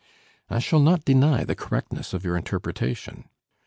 I shall not deny the correctness of your interpretation.